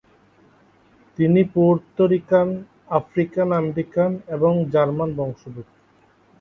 তিনি Puerto Rican, African American এবং German বংশোদ্ভূত।